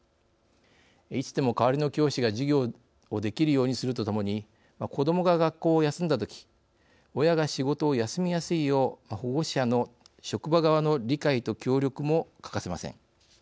いつでも代わりの教師が授業をできるようにするとともに子どもが学校を休んだとき親が仕事を休みやすいよう保護者の職場側の理解と協力も欠かせません。